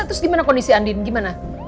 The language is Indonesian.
terus di mana kondisi andin gimana